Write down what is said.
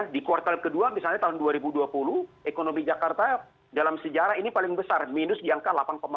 di kuartal kedua misalnya tahun dua ribu dua puluh ekonomi jakarta dalam sejarah ini paling besar minus di angka delapan lima